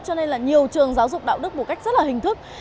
cho nên là nhiều trường giáo dục đạo đức một cách rất là hình thức